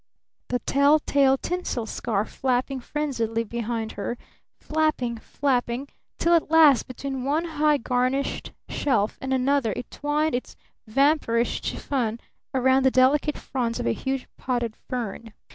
the telltale tinsel scarf flapping frenziedly behind her, flapping flapping till at last, between one high, garnished shelf and another it twined its vampirish chiffon around the delicate fronds of a huge potted fern!